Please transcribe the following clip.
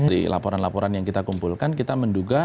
dari laporan laporan yang kita kumpulkan kita menduga